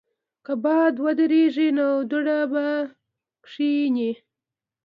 که باد ودریږي، نو دوړه به کښېني.